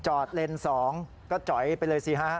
เลนส์๒ก็จ๋อยไปเลยสิฮะ